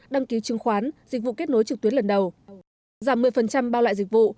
đăng ký chứng khoán dịch vụ kết nối trực tuyến lần đầu giảm một mươi bao loại dịch vụ